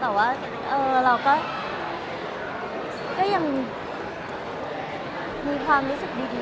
แต่ว่าเราก็ยังมีความรู้สึกดี